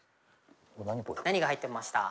何が入ってました？